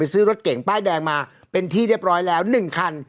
ซื้อรถเก่งป้ายแดงมาเป็นที่เรียบร้อยแล้ว๑คัน